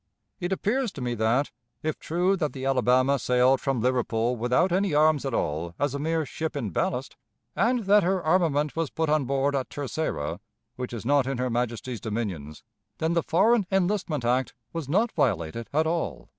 "It appears to me that, if true that the Alabama sailed from Liverpool without any arms at all, as a mere ship in ballast, and that her armament was put on board at Terceira, which is not in her Majesty's dominions, then the Foreign Enlistment Act was not violated at all."